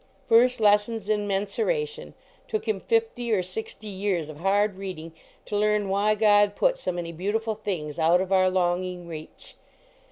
First lessons in mensuration. Took him fifty or sixty years ol hard reading to learn why God put so many beautiful things out of our longing reach.